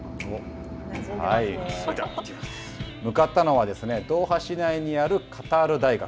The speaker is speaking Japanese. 向かったのはドーハ市内にあるカタール大学。